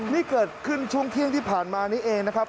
นี่เกิดขึ้นช่วงเที่ยงที่ผ่านมานี้เองนะครับ